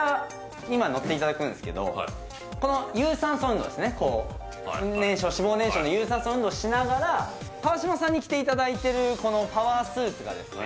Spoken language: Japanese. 今乗っていただくんですけどこの有酸素運動ですね脂肪燃焼の有酸素運動をしながら川島さんに着ていただいてるこのパワースーツがですね